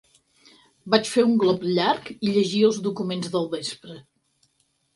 Vaig fer un glop llarg, i llegia els documents del vespre.